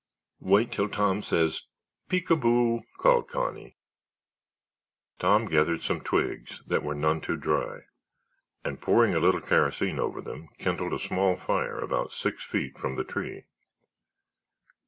"Wait till Tom says peek a boo!" called Connie. Tom gathered some twigs that were none too dry, and pouring a little kerosene over them, kindled a small fire about six feet from the tree.